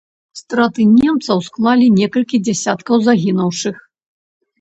Страты немцаў склалі некалькі дзясяткаў загінуўшых.